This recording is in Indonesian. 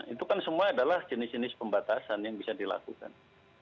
itu kan semua adalah jenis jenis pembatasan yang bisa dilakukan